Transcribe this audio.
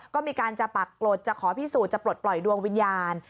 ก็มีการจะปรากฏจะขอพิสูจน์จะปลดปล่อยดวงวิญญาณ